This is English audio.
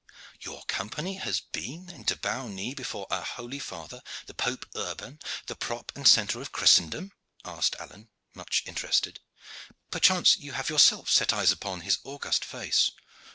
"Your Company has been, then, to bow knee before our holy father, the Pope Urban, the prop and centre of Christendom?" asked Alleyne, much interested. "Perchance you have yourself set eyes upon his august face?"